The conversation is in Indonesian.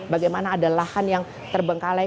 bagaimana ada lahan yang terbengkalai